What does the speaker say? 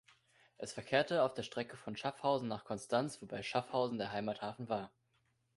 Es verkehrte auf der Strecke von Schaffhausen nach Konstanz, wobei Schaffhausen der Heimathafen war.